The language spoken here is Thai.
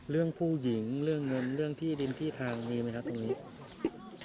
เรื่องผู้หญิงเรื่องเงินเรื่องที่ดินที่ทางมีไหมครับตรงนี้